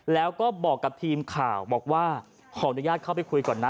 แล้วก็บอกกับทีมข่าวบอกว่าขออนุญาตเข้าไปคุยก่อนนะ